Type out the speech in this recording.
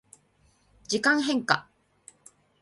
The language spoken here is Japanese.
時間変化